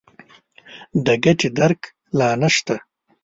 د ګټې درک لا نه شته.